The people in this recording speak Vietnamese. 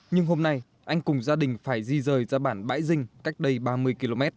nhưng hôm nay anh cùng gia đình phải di rời ra bản bãi dinh cách đây ba mươi km